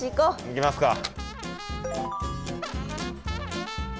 行きますか！